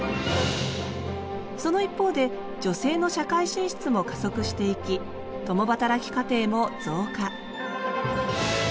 その一方で女性の社会進出も加速していき共働き家庭も増加